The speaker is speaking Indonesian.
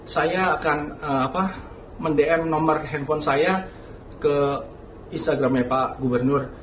saya akan mendm nomor handphone saya ke instagramnya pak gubernur